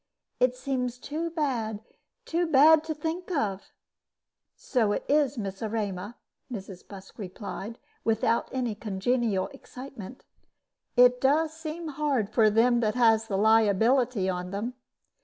It seems too bad too bad to think of." "So it is, Miss Erema," Mrs. Busk replied, without any congenial excitement. "It does seem hard for them that have the liability on them.